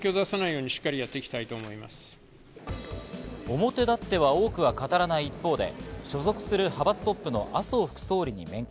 表だっては多くは語らない一方で所属する派閥トップの麻生副総理に面会。